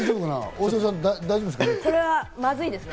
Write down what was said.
大沢さん、大丈夫ですかね？